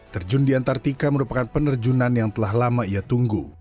terjun di antartika merupakan penerjunan yang telah lama ia tunggu